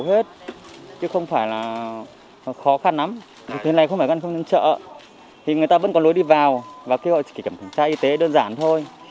hết chứ không phải là khó khăn lắm thế này không phải là ngăn chặn chợ thì người ta vẫn có lối đi vào và kêu họ chỉ kể cảnh khám y tế đơn giản thôi